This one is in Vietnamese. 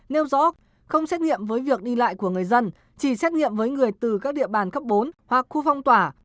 nêu rõ không xét nghiệm với việc đi lại của người dân chỉ xét nghiệm với người từ các địa bàn cấp bốn hoặc khu phong tỏa